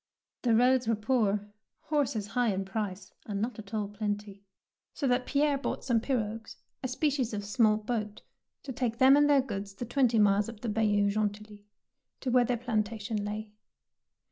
The roads were poor, horses high in price and not at all plenty, so that Pierre bought some pirogues, a species of small boat, to take them and their goods the twenty miles up the Bayou Gentilly, to where their plantation lay.